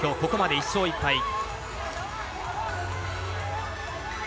ここまで１勝１敗。